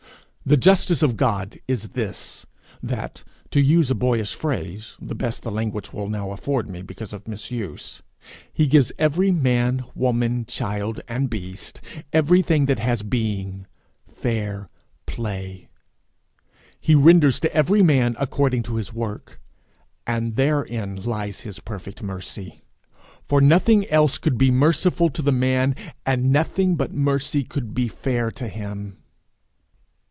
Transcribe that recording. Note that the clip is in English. The justice of God is this, that to use a boyish phrase, the best the language will now afford me because of misuse he gives every man, woman, child, and beast, everything that has being, fair play; he renders to every man according to his work; and therein lies his perfect mercy; for nothing else could be merciful to the man, and nothing but mercy could be fair to him.